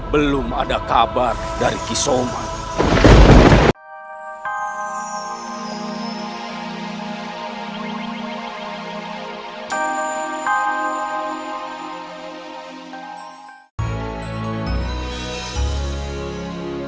belum ada kabar dari kisoman